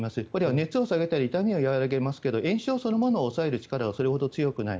熱を下げたり痛みを和らげますが炎症そのものを抑える力はそれほど強くない。